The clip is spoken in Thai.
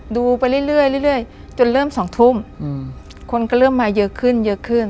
ดูไปเรื่อยจนเริ่ม๒ทุ่มคนก็เริ่มมาเยอะขึ้นเยอะขึ้น